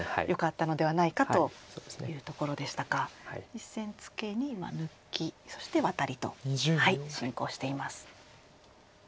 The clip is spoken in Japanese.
実戦ツケに抜きそしてワタリと進行しています。